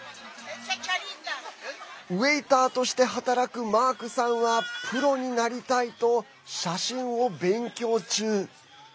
ウェイターとして働くマークさんはプロになりたいと写真を勉強中。